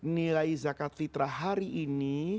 nilai zakat fitrah hari ini